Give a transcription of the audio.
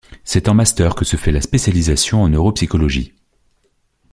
C'est en Master que se fait la spécialisation en neuropsychologie.